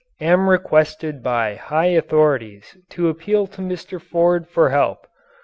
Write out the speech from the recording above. Am requested by high authorities to appeal to Mr. Ford for help.